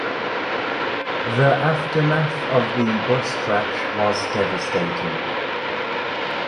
The aftermath of the bus crash was devastating.